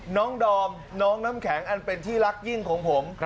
ดอมน้องน้ำแข็งอันเป็นที่รักยิ่งของผม